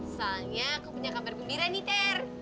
soalnya aku punya kamar gembira nih ter